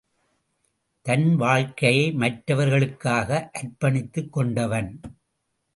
தன் வாழ்க்கையை மற்றவர் களுக்காக அர்ப்பணித்துக் கொண்டவன்.